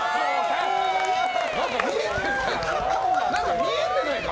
何か見えてないか？